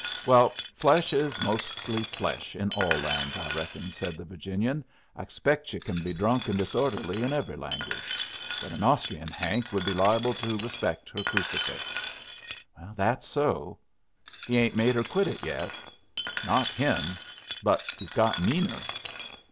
"Well, flesh is mostly flesh in all lands, I reckon," said the Virginian. "I expect yu' can be drunk and disorderly in every language. But an Austrian Hank would be liable to respect her crucifix." "That's so!" "He ain't made her quit it yet?" "Not him. But he's got meaner."